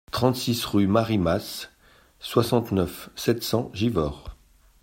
trente-six rue Marie Mas, soixante-neuf, sept cents, Givors